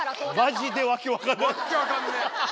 訳分かんねえ。